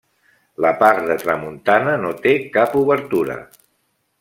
La part de tramuntana no té cap obertura.